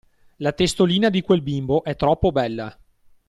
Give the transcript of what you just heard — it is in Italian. La testolina di quel bimbo è troppo bella!